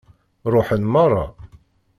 Ṛuḥen meṛṛa.